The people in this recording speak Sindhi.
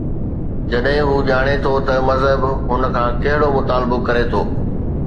جڏهن هو ڄاڻي ٿو ته مذهب هن کان ڪهڙو مطالبو ڪري ٿو؟